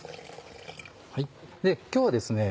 今日はですね